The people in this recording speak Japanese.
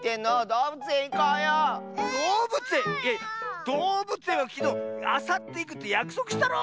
どうぶつえんはきのうあさっていくってやくそくしたろ。